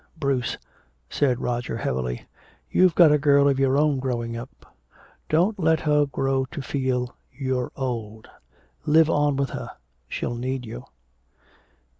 "Bruce," said Roger heavily, "you've got a girl of your own growing up. Don't let her grow to feel you're old. Live on with her. She'll need you."